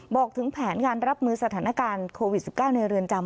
บอกถึงแผนการรับมือสถานการณ์โควิด๑๙ในเรือนจำ